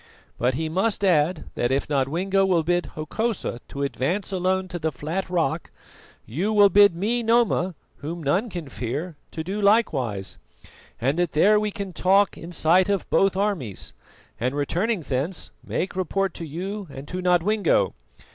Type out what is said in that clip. But he must add that if Nodwengo will bid Hokosa to advance alone to the flat rock, you will bid me, Noma, whom none can fear, to do likewise, and that there we can talk in sight of both armies, and returning thence, make report to you and to Nodwengo.